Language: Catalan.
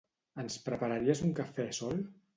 Ens prepararies un cafè sol?